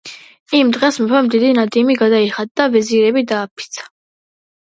იმ დღეს მეფემ დიდი ნადიმი გადაიხადა და ვეზირები დააფიცა